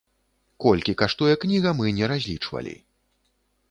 Колькі каштуе кніга, мы не разлічвалі.